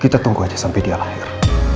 kita tunggu aja sampai dia lahir